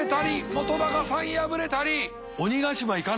本さん敗れたり！